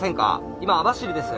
今網走です。